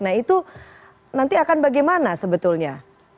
nah itu nanti akan bagaimana sebetulnya